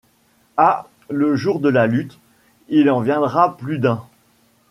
Ah ! le jour de la lutte, il en viendra plus d'un !